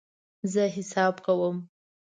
زه حساب کوم